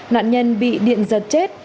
nạn nhân bị điện giật chết